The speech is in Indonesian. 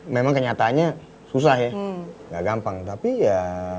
memang kenyataannya susah ya gak gampang tapi ya